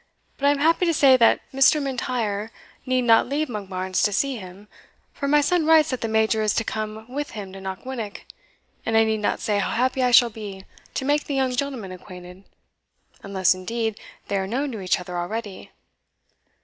But I am happy to say that Mr. M'Intyre need not leave Monkbarns to see him, for my son writes that the Major is to come with him to Knockwinnock, and I need not say how happy I shall be to make the young gentlemen acquainted, unless, indeed, they are known to each other already."